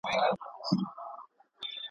o نوک او اورۍ نه سره جلا کېږي.